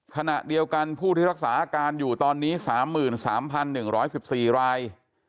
ขณะเดียวกันผู้ที่รักษาอาการอยู่ตอนนี้๓๓๑๑๔ราย